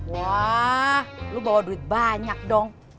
wah lu bawa duit banyak dong